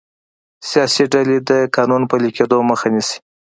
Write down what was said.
سیاسي ډلې د قانون پلي کیدو مخه نیسي